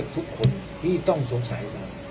คือคือตรงนี้